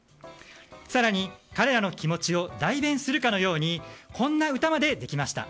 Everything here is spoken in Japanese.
更に、彼らの気持ちを代弁するかのようにこんな歌までできました。